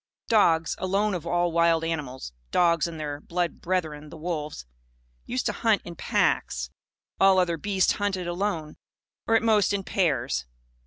Dogs, alone of all wild animals (dogs and their blood brethren, the wolves), used to hunt in packs. All other beasts hunted alone or, at most, in pairs.